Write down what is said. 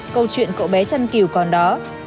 câu chuyện cậu bé chăn cừu còn đó